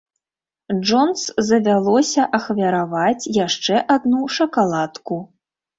Джонс завялося ахвяраваць яшчэ адну шакаладку.